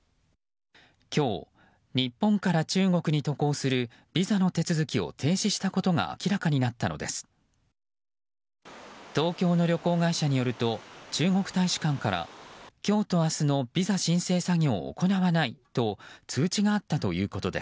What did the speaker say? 今日、日本から中国に渡航するビザの手続きを停止したことが明らかになったのです。